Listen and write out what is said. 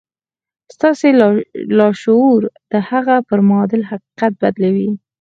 ستاسې لاشعور د هغه پر معادل حقيقت بدلوي.